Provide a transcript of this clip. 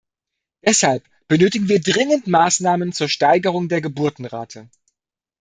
Deshalb benötigen wir dringend Maßnahmen zur Steigerung der Geburtenrate.